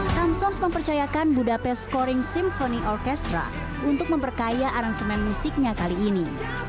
samson's mempercayakan budapest scoring symphony orchestra untuk memperkaya aransemen musiknya kali ini